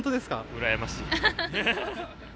うらやましい。